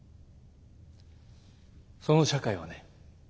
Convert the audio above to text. その社会はね